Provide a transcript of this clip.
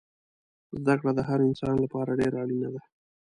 زده کړه دهر انسان لپاره دیره اړینه ده